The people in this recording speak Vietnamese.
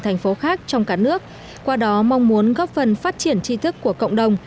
thành phố khác trong cả nước qua đó mong muốn góp phần phát triển tri thức của cộng đồng